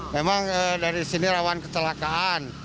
memang dari sini rawan kecelakaan